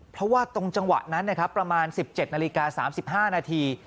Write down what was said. เพราะว่าตรงจังหวะนั้นนะครับประมาณ๑๗นาฬิกา๓๕นาที